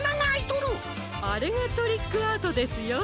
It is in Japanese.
あれがトリックアートですよ。